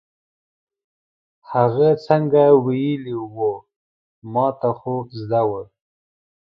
هغه څنګه ویلې وه، ما ته خو زده وه.